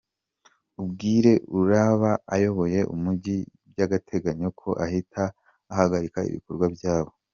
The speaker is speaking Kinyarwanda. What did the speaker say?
Ubwire uraba ayoboye umujyi by’agateganyo ko ahita ahagarika ibikorwa byabo.